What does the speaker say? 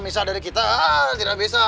misal dari kita tidak bisa